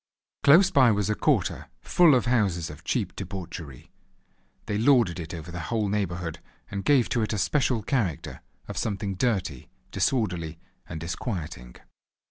Close by was a quarter full of houses of cheap debauchery. They lorded it over the whole neighbourhood, and gave to it a special character of something dirty, disorderly and disquieting.